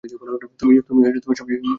তুমিই সবচেয়ে সুন্দর।